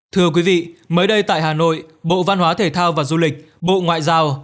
thưa quý vị mới đây tại hà nội bộ văn hóa thể thao và du lịch bộ ngoại giao